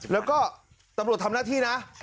แล้วก็ตำรวจทำหน้าที่นะ